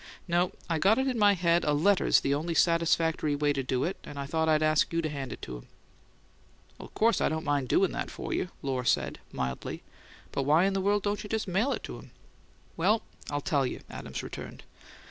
No; I got it in my head a letter's the only satisfactory way to do it, and I thought I'd ask you to hand it to him." "Well, of course I don't mind doin' that for you," Lohr said, mildly. "But why in the world don't you just mail it to him?" "Well, I'll tell you," Adams returned.